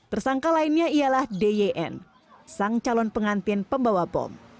tersangka lainnya ialah d y n sang calon pengantin pembawa bom